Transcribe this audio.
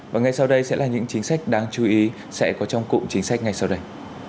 và ngay sau đây sẽ là những chính sách đáng chú ý sẽ có trong cụm chính sách ngay sau đây